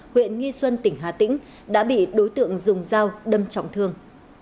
huyện nghi xuân tỉnh hà tĩnh đã bị đối tượng dùng dao đâm trọng thương